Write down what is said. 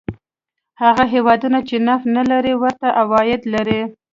هغه هېوادونه چې نفت نه لري ورته عواید لري.